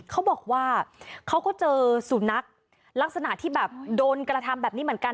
เขาบอกว่าเขาก็เจอสุนัขลักษณะที่แบบโดนกระทำแบบนี้เหมือนกัน